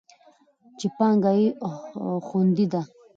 چې پانګه یې خوندي ده.